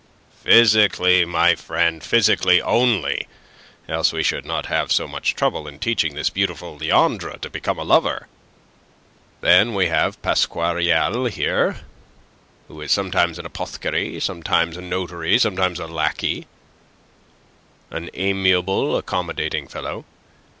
"Physically, my friend, physically only, else we should not have so much trouble in teaching this beautiful Leandre to become a lover. Then we have Pasquariel here, who is sometimes an apothecary, sometimes a notary, sometimes a lackey an amiable, accommodating fellow.